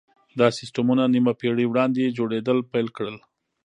دا سيستمونه نيمه پېړۍ وړاندې جوړېدل پيل کړل.